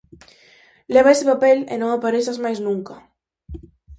Leva ese papel e non aparezas máis nunca!